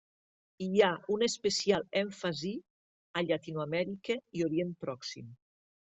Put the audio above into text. Hi ha una especial èmfasi a Llatinoamèrica i Orient Pròxim.